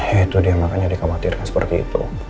ya itu dia makanya dikhawatirkan seperti itu